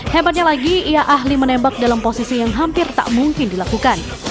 hebatnya lagi ia ahli menembak dalam posisi yang hampir tak mungkin dilakukan